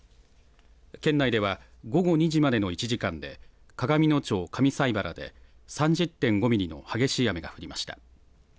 県内では、午後２時までの１時間で、鏡野町上齋原で３０．５ミリの激しい雨が降りました。